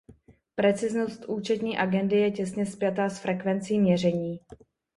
Preciznost účetní agendy je těsně spjata s frekvencí měření.